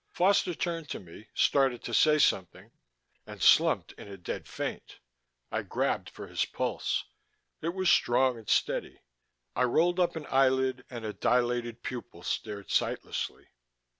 Foster turned to me, started to say something and slumped in a dead faint. I grabbed for his pulse; it was strong and steady. I rolled up an eyelid and a dilated pupil stared sightlessly.